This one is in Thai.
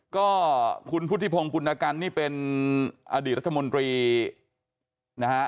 ก็คุณพุทธิพงศ์ปุณกันนี่เป็นอดีตรัฐมนตรีนะฮะ